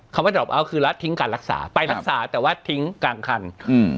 คำว่าดอบเอาท์คือรัฐทิ้งการรักษาไปรักษาแต่ว่าทิ้งกลางคันอืม